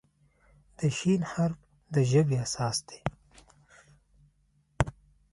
د "ش" حرف د ژبې اساس دی.